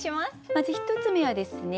まず１つ目はですね